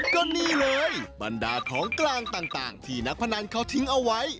ก็นี่เลยบรรดาของกลางต่างที่นักพนันเขาทิ้งเอาไว้